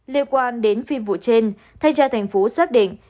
liên quan đến phi vụ trên thanh tra thành phố xác định